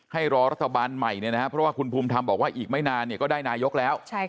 ให้รอรัฐบาลใหม่เนี่ยนะครับเพราะว่าคุณภูมิธรรมบอกว่าอีกไม่นานเนี่ยก็ได้นายกแล้ว